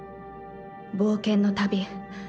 冒険の旅。